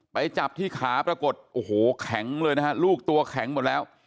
ไปจับที่ขาปรากฏโอ้โหแข็งเลยนะฮะลูกตัวแข็งหมดแล้ว